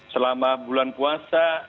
selama bulan puasa